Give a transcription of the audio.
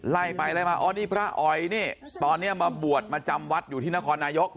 ไล่ไปไล่มาอ๋อนี่พระออยนี่ตอนนี้มาบวชมาจำวัดอยู่ที่นครนายก